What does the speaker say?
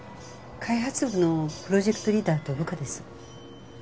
開発部のプロジェクトリーダーと部下です。